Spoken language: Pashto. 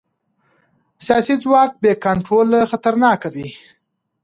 سیاسي ځواک بې کنټروله خطرناک دی